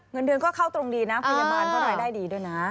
เงินเดือนก็เข้าตรงดีนะพยาบาลก็รายได้ดีด้วยนะ